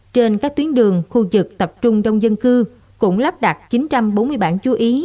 trên các tuyến đường khu vực tập trung đông dân cư cũng lắp đặt chín trăm bốn mươi bản chú ý